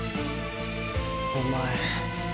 お前。